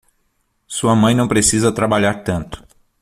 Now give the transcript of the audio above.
Sua mãe não precisa trabalhar tanto.